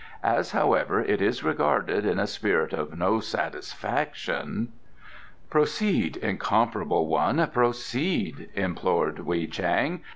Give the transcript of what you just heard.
As, however, it is regarded in a spirit of no satisfaction " "Proceed, incomparable one, proceed," implored Wei Chang.